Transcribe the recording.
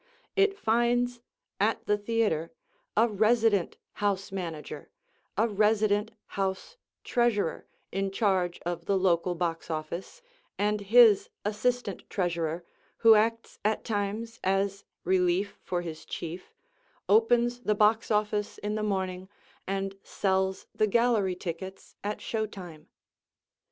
It finds at the theatre a resident house manager, a resident house treasurer, in charge of the local box office, and his assistant treasurer, who acts at times as relief for his chief, opens the box office in the morning, and sells the gallery tickets at show time.